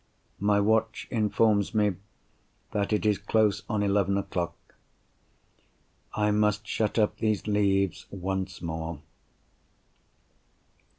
My watch informs me that it is close on eleven o'clock. I must shut up these leaves once more.